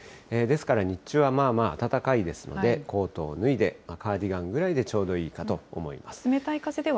ですから日中はまあまあ暖かいですので、コートを脱いで、カーディガンぐらいでちょうどいいかと思います。